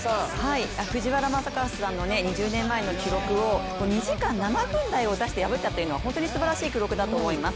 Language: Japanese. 藤原正和さんの２０年前の記録を、２時間７分台を出して破ったというのは本当にすばらしい記録だと思います。